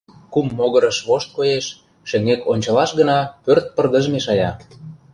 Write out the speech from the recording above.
Кум могырыш вошт коеш, шеҥгек ончалаш гына пӧрт пырдыж мешая.